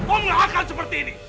om ga akan seperti ini